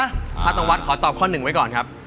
ถ้าตรงวัดขอตอบข้อหนึ่งไว้ก่อนครับ